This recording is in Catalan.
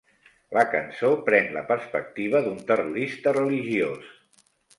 La cançó pren la perspectiva d'un terrorista religiós.